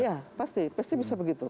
ya pasti pasti bisa begitu